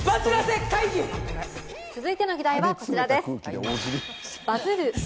続いての議題はこちらです。